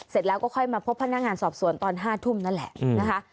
เสร็จแล้วก็ค่อยมาพบพนักงานสอบสวนตอน๕ทุ่มนั่นแหละนะคะ